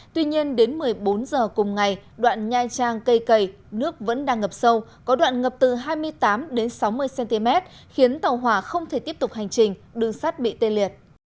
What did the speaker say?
tuy nhiên đến một mươi bốn h cùng ngày đoạn nhai trang cây cầy nước vẫn đang ngập sâu có đoạn ngập từ hai mươi tám sáu mươi cm khiến tàu hỏa không thể tiếp tục hành trình đường sắt bị tê liệt